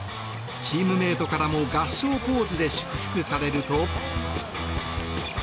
チームメートからも合掌ポーズで祝福されると。